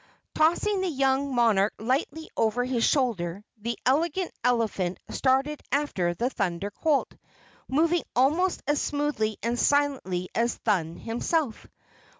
Tossing the young monarch lightly over his shoulder, the Elegant Elephant started after the Thunder Colt, moving almost as smoothly and silently as Thun himself.